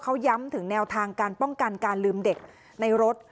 เขาย้ำถึงแนวทางการป้องกันการลืมเด็กในรถ